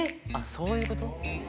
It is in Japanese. そういうこと？